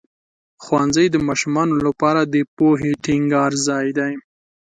ښوونځی د ماشومانو لپاره د پوهې ټینګار ځای دی.